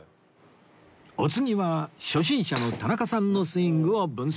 お次は初心者の田中さんのスイングを分析